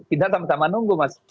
kita sama sama nunggu mas